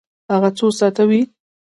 هغه څو ساعته وی؟